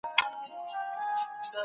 دغي ښځي ډېر ښه خواړه پخ کړل.